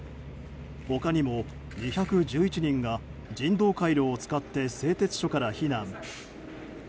他にも２１１人が人道回廊を使って製鉄所から避難。